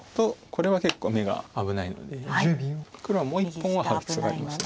これは結構眼が危ないので黒はもう１本はハウ必要があります。